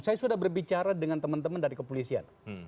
saya sudah berbicara dengan teman teman dari kepolisian